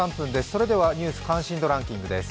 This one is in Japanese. それではニュース関心度ランキングです。